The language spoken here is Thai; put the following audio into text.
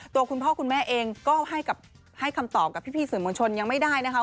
คุณพ่อคุณแม่เองก็ให้คำตอบกับพี่สื่อมวลชนยังไม่ได้นะคะ